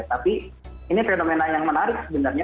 tapi ini fenomena yang menarik sebenarnya